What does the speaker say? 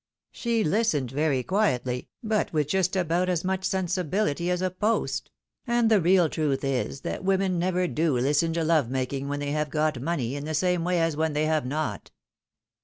She listened very quietly, but with just about as much sensi bility as a post ; and the real truth is, that women never do listen to love making when they have got money, in the same way as when they have not."